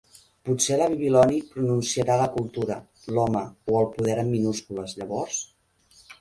Potser la Bibiloni pronunciarà la Cultura, l'Home o el Poder amb minúscules, llavors?